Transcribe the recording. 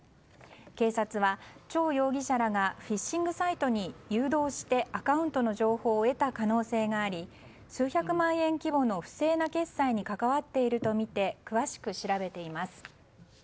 警察はチョウ容疑者らがフィッシングサイトに誘導してアカウントの情報を得た可能性があり数百万円規模の不正な決済に関わっているとみて詳しく調べています。